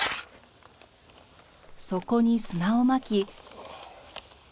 そこに砂をまき。